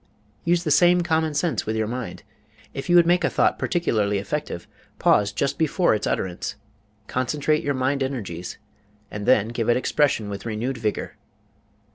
Use the same common sense with your mind. If you would make a thought particularly effective, pause just before its utterance, concentrate your mind energies, and then give it expression with renewed vigor.